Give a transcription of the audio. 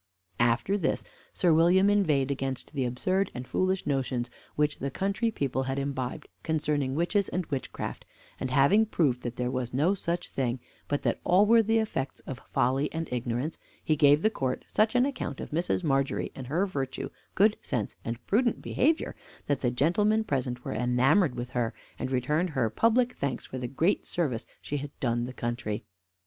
After this, Sir William inveighed against the absurd and foolish notions which the country people had imbibed concerning witches and witchcraft, and having proved that there was no such thing, but that all were the effects of folly and ignorance, he gave the court such an account of Mrs. Margery, and her virtue, good sense, and prudent behavior, that the gentlemen present were enamored with her, and returned her public thanks for the great service she had done the country.